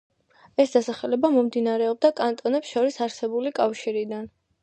ეს დასახელება მომდინარეობდა კანტონებს შორის არსებულ კავშირიდან.